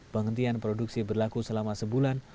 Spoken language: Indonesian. penghentian produksi berlaku selama sebulan